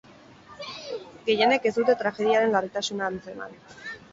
Gehienek ez dute tragediaren larritasuna antzeman.